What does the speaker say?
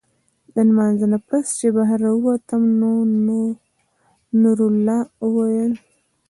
د مانځۀ نه پس چې بهر راووتم نو نورالله وايي